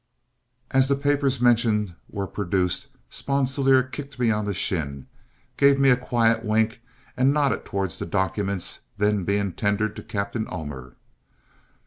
As the papers mentioned were produced, Sponsilier kicked me on the shin, gave me a quiet wink, and nodded towards the documents then being tendered to Captain Ullmer.